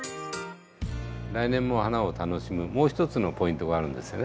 来年も花を楽しむもう一つのポイントがあるんですよね。